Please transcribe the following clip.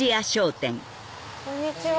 こんにちは。